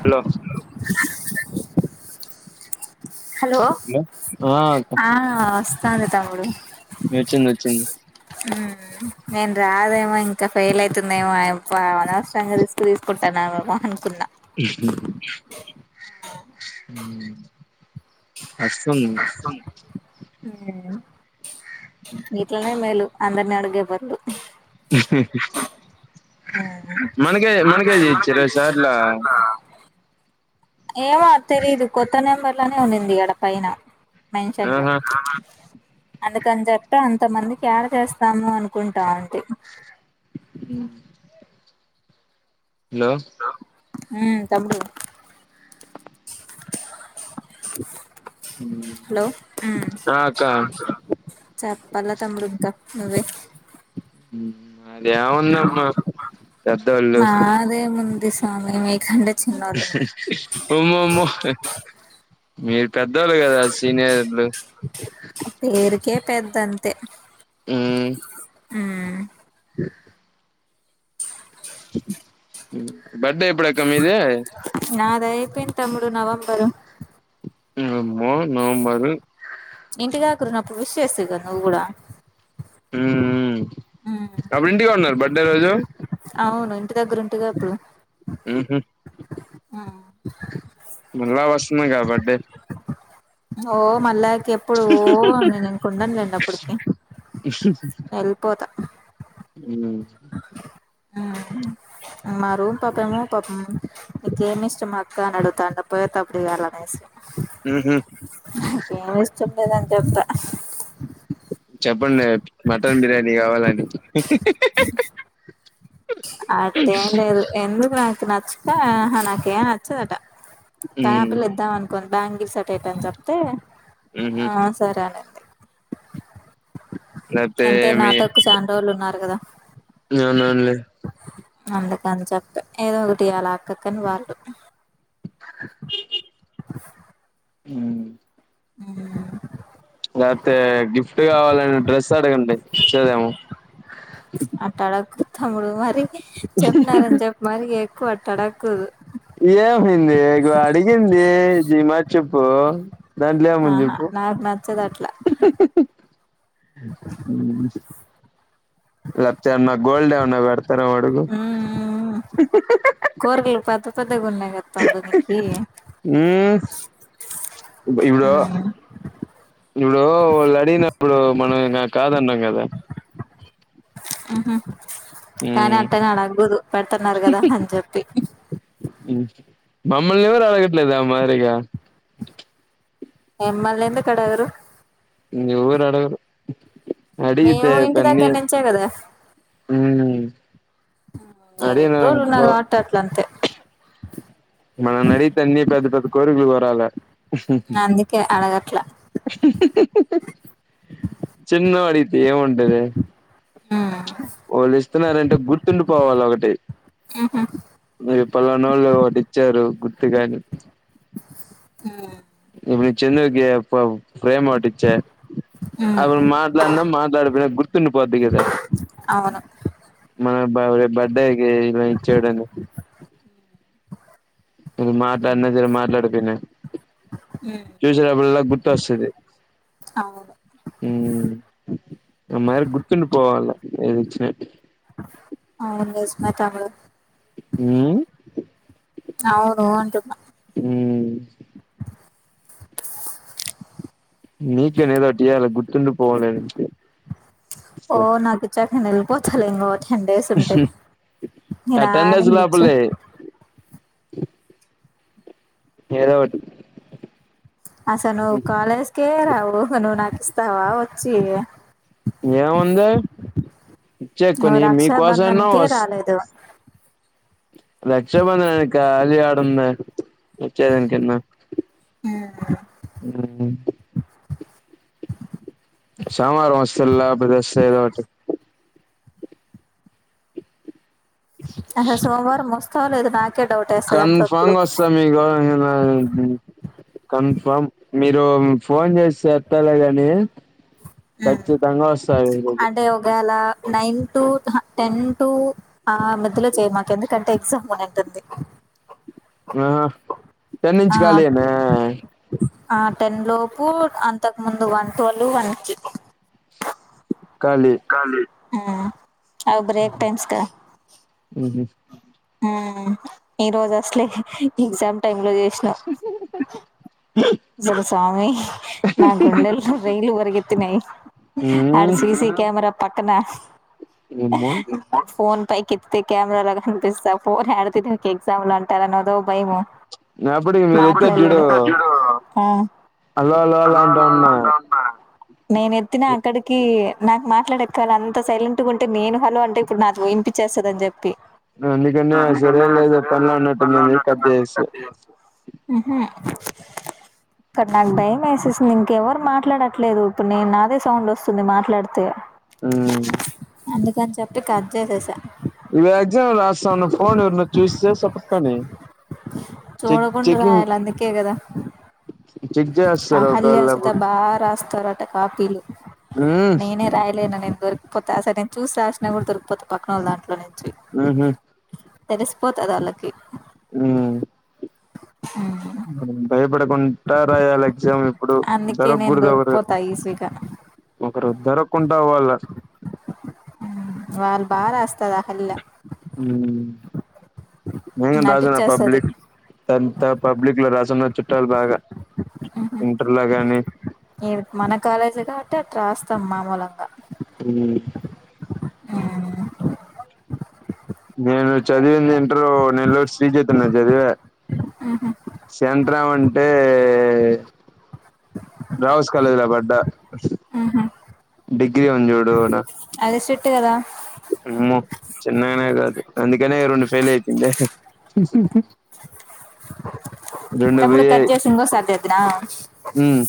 Hello hello హా ఆ వస్తాంది తమ్ముడు వచ్చింది వచ్చింది ఉ నేను రాదేమో ఇంకా ఫెయిల్ అవుతుందేమో అనవసరంగా రిస్క్ తీసుకుంటాన్నామేమో అనుకున్నా కష్టం ఇట్లనే మేలు అందరినీ అడిగే బదులు మనకే మనకే [unintelligible] ఇచ్చి [unintelligible] ఏమో తెలీదు కొత్త నెంబర్ లోనే ఉండింది ఆడ పైన మెన్షన్ లో ఆహా అందుకని చెప్పే అంత మంది కడ చేస్తాము అనుకుంటావుడి హ్మ్మ్ హలో హ తమ్ముడు హలో ఉమ్ ఆ అక్క పల్ల తమ్ముడు ఇంకా నువ్వే అదేవుందమ్మ మాదే ముంది స్వామిని మీకంటే చిన్నోళ్ళము ఉమ్మమ్మో మీ పెద్దోళ్ళు కదా సీనియర్లు పేరుకే పెద్దంతే ఉమ్ హ్మ్మ్ హ్మ్మ్ బడ్డే ఎప్పుడక్క మీది నాది అయిపోయింది తమ్ముడు నవంబరు మో నవంబరు ఇంటిదాకరు నాకు విష్ చేస్తివి గా నువ్వు కూడా అప్పుడు ఇంటికడ ఉన్నార బర్త్డే రోజు అవును ఇంటి దగ్గర ఉంటి గా అప్పుడు మళ్లా వస్తున్నాగా బడ్డే ఓ మళ్ళా ఇక ఎప్పుడు నేను ఇంకుండనులేండి అప్పటికి వెళ్ళిపోతా ఉమ్ హ్మ్మ్ మా రూమ్ పక్కనో పాపం ఇ ఏమిష్టమాక్కా అడుగుతా అంట పోయ త అప్పుడు వేాలనే ఉహు నాకు ఏం ఇష్టండేదని చెప్తా చెప్పండి మటన్ బిర్యానీ కావాలని అట్టేం లేదు ఎందుకు నాకు నచ్చ నాకే నచ్చదట ఉమ్ పైనాపిల్ ఇద్దామంట కొన్ని బ్యాంగిసట్ట్ అని చెప్తే ఊహు సరే అనీ లేతే ఎంతే మీ నాతోక్కు చంరోజులూ ఉన్నారు కదా అవునవునులే అందుకని చెప్ప ఏదో ఒకటి అలా అక్కక్కని వాళ్ళు హ్మ్మ్ హ్మ్మ్ లేకపోతే గిఫ్ట్ కావాలని డ్రెస్ అడగండిచ్చదేమో అట్ట అడకు తాముడు మరి చెప్పినారని చెప్పి మరి ఎక్కువ అట్ట అడకుదు ఏమింది అడిగింది జమా చెప్పు దంట్ల ఏం ఉంది ఆహా జెప్పు నాకు నచ్చదు అట్లా హ్మ్మ్ లచ్చన్న గోల్డ్ ఏం అన్న పెడ్తారేమో అడుగు కోరళ్ళు పెద్ద పెద్దగా ఉన్నాయి గద తమ్ముడు నికి ఉమ్ ఇప్పుడు ఇప్పుడు వాళ్ళుఅడిగినప్పుడు మనం కాదు అన్నం కదా ఉహు కానీ ఉమ్ అట్టగా అడగూదు పెడుతున్నారు కదా అని చెప్పి మమ్మల్ని ఎవరు అడగట్లేదా మరిగా ఎమ్మల్ందుకడగరు ఇంకెవ్వరు అడగరు అడిగితే మేము ఇంటి బన్నీ దగ్గర నుంచే కదా ఊ అవు నేను ఎన్ని రోజులు ఉన్నా కాబట్టి అట్ల అంతే మననడిగితే అన్నీ పద్ద పద్ద కోరికలు కోరాలే అందుకే అడగట్లా చినోడితే ఏముంట టదే ఉమ్ వాళ్ళు ఇస్తున్నారంటే గుర్తుండి పోవాల ఒకటి మీర్ పలానోలు ఒకటి ఇచ్చారు గుర్తు గా అని ఆ ఇప్పుడు చెందుకి ప ప్రేమ్ ఒకటిచ్చె ఉమ్ అప్పుడు మాట్లాడిన మాట్ గాడి పోయిన గుర్తుండి పోద్ధి కదా అవును మా బావ రేప్ బర్డెకి ఇలా ఇచ్చేడని నేన్ మాట్లాడిన్న జర మాట్లాడ పోయిన ఉమ్ చూసినప్పుడల గుర్తొస్తాది అవును ఊ ఆ మారి గుర్తుండి పోవాల నేన్ ఇచ్చినట్టు మ తమ్ముడు ఊ అవును అంటున్నా ఊ నీకనే ఏదోటియలా గుర్తుం పోవడానికి పొతలంగవట్ టెన్ డేస్ ఉంటే అటెండెన్స్ నేనానింగిచ్చు లోపలే ఏదో ఒటి అస నువ్వు కాలేజ్కే రావు ఇగ నువ్వు నాకు ఇస్తావా వచ్చి ఏముంది ఇచ్చే ఓ కొని మీకోసమన్నా రక్షాబంధన్కే రాలేదు రక్షబంధన్ కా అది ఆడుందే వచ్చెదాన్కన్న ఉమ్. ఊ సోమార మస్తల్లా అపుడు బస్ ద ఏదో ఒకటి అహ సోమవారం మోస్తవో లేదో నా కన్ఫామ్ గా వస్తా మీకు [unintelligible] కన్ఫామ్ మీ ఇగో మీరు ఫోన్ చేస్తే ఎత్తల గాని ఆ ఖచ్చితంగా వస్తా ఈ రోజు అంటే ఒకేళ నైన్ టు అహ టెన్ టు ఆ మధ్యలో చేయ మాకు ఎందుకంటే ఎగ్జామ్ కద ఉంటుంది ఆహా పెన్నించ కాలీ అమ్మే ఆ టెన్ లోపు అంతకు ముందు వన్ ట్వల్వ్ వన్ కి కాండి ఆ అవి బ్రేక్ టైమ్స్ కదా ఊహూ ఆ ఈ రోజ్ అసలే ఎగ్జామ్ చూడు స్వామి నా గుండల్ లో రైలు పరిగెత్తినయి ఊ ఆడ సిసి కెమెరా పక్కనా ఏమో ఫోన్ పై కితే క్యా నువ్ ఎలా కనిపిస్తవ్ ఫోన్ ఆడుతు ఎగ్జామ్ ల అంటారని అదో భయము అప్పటికి మీరిద్దరు చూడు మాట్లాడలేను ఆ హలో హలో హలో అంటా ఉన్నా నేన్ ఎత్తిన అక్కడికి నాకు మాట్లాడక్కవాలి అంత సైలెంట్గా ఉంటే నేను హలో అంటే ఇప్పుడు నాకు ఇనిపిచేస్తది అని చెప్పి అందుకనే సరే ఎందుకంటే లేదు సరే పనిలో లేదు పని లో ఉన్నట్టుందని చెప్పి ఉన్నట్టు వున్నారు చేసా కట్ చేసి ఉహు ఇక్కడ నాకు భయం వేసేసింది ఇంకెవరు మాట్లాడట్లేదు ఇప్పుడు నేను నాదే సౌండ్ వస్తుంది మాట్లాడితే ఉమ్ అందుకని చెప్పి కట్ చేసేసా ఇవి ఎగ్జామ్ రాస్తా ఉన్న ఫోన్ ఎవరిన్న చూస్తే సపక్క అని చెక్ చూడకుండా చెకింగ్ రాయలా అందుకే కదా చెక్ చేస్తారు అహల్య ఒకవేళ అచిత అప్పుడు బాగా రాస్త్ స్తరు అంట కాఫీలు ఉమ్ నేనే రాయలేను నేను దొరికిపోతా అసలు నేను చూసి రాసినా న కూడా దొరికిపోత పక్కన దాంట్లో నుంచి ఉహు తెరిసిపోతది వాళ్ళకి హ్మ్మ్ అ భయపడకుంటా రయాలి ఎగ్జామ్ ఇప్పుడు అందుకే దొరక నేను కూడదు ఎవరు దొరికిపోతా ఈజీగా ఒకరు దొరక్కుంటా వాళ్ళ ఉమ్. వాళ్ళు బాగా రాస్త్ హ్మ్మ్ నేను కూడా రాసిన నటించేస్తుంది పబ్లిక్ టెన్త్ పబ్లిక్ లో రాశాను న్న చుట్టాలు బాగా ఉహు. ఇంటర్లో గానీ అట్ రాస్తాం మామూలంగా ఆ నేను చదివిందేమి నెల్లూరు శ్రీ చైతన్య చదివ సెంటర్ ఏమంటే టే గర్ల్స్ కాలేజ్ లో పడ్డా మ్మ్హ్ డిగ్రీ ఉంది చూడు ఆడ అది స్ట్రిక్ట్ కదా ఉ చిన్ననేగదు అందుకనే రెండు ఫైల్ అయిపోఇండే రెండు తమ్ముడు కట్ పోయినాయి చేసి ఇంకోసారి చేద్దునా హ్మ్మ్